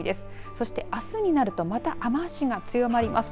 そして、あすになるとまた雨足が強まります。